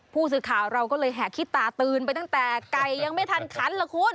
ผู้สื่อข่าวเราก็เลยแห่ขี้ตาตื่นไปตั้งแต่ไก่ยังไม่ทันขันล่ะคุณ